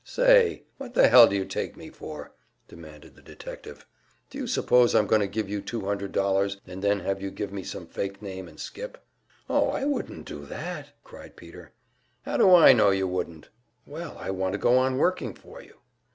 "Say, what the hell do you take me for?" demanded the detective. "D'you suppose I'm going to give you two hundred dollars and then have you give me some fake name and skip?" "Oh, I wouldn't do that!" cried Peter. "How do I know you wouldn't?" "Well, I want to go on working for you."